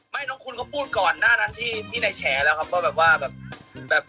ไม่น้องคุณเขาพูดก่อนหน้าทางที่ในแชน์นะครับ